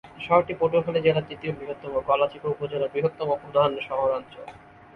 শহরটি পটুয়াখালী জেলার তৃতীয় বৃহত্তম ও গলাচিপা উপজেলার বৃহত্তম এবং প্রধান শহরাঞ্চল।